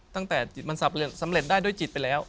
ตั้งแต่จิตมันสับสำเร็จได้ด้วยจิตไปแล้ว